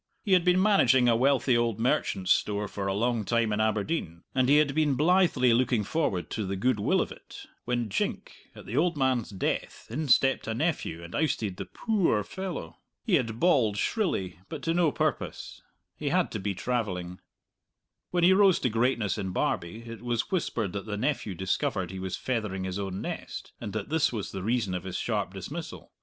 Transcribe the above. He had been managing a wealthy old merchant's store for a long time in Aberdeen, and he had been blithely looking forward to the goodwill of it, when jink, at the old man's death, in stepped a nephew, and ousted the poo oor fellow. He had bawled shrilly, but to no purpose; he had to be travelling. When he rose to greatness in Barbie it was whispered that the nephew discovered he was feathering his own nest, and that this was the reason of his sharp dismissal.